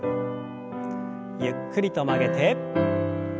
ゆっくりと曲げて。